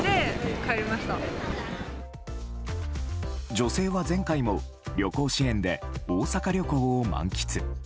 女性は前回も旅行支援で大阪旅行を満喫。